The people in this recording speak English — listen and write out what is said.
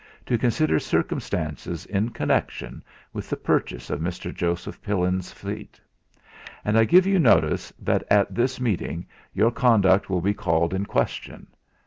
to consider circumstances in connection with the purchase of Mr. Joseph Pillin's fleet. And I give you notice that at this meeting your conduct will be called in question.